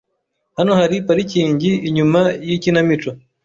Hano hari parikingi inyuma yikinamico.